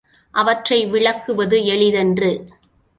அவற்றை விளக்குவது எளிதன்று.